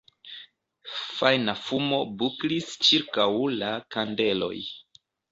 Fajna fumo buklis ĉirkaŭ la kandeloj.